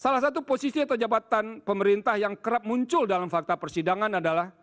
salah satu posisi atau jabatan pemerintah yang kerap muncul dalam fakta persidangan adalah